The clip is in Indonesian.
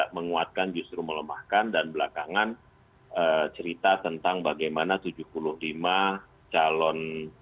menguatkan justru melemahkan dan belakangan cerita tentang bagaimana tujuh puluh lima calon